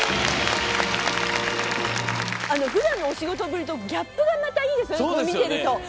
ふだんのお仕事ぶりと、ギャップがまたいいですよね、見てると。